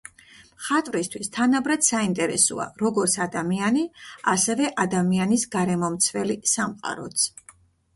მხატვრისთვის თანაბრად საინტერესოა, როგორც ადამიანი, ასევე ადამიანის გარემომცველი სამყაროც.